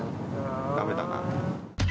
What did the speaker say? だめだな。